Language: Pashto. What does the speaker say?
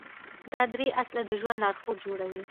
دا درې اصله د ژوند لارښود جوړوي.